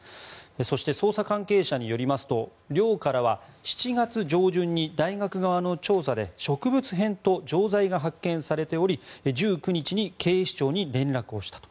そして、捜査関係者によりますと寮からは７月上旬に大学側の調査で植物片と錠剤が発見されており１９日に警視庁に連絡をしたと。